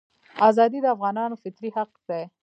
ازادي د افغانانو فطري حق دی.